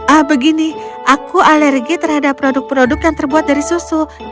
ah begini aku alergi terhadap produk produk yang terbuat dari susu